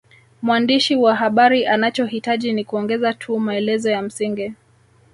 Mwandishi wa habari anachohitaji ni kuongeza tu maelezo ya msingi